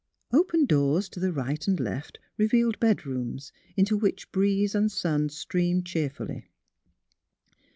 Open doors to the right and left revealed bed rooms, into which breeze and sun streamed cheer fully.